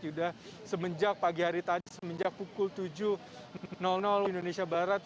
yuda semenjak pagi hari tadi semenjak pukul tujuh indonesia barat